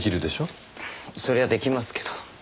そりゃ出来ますけど。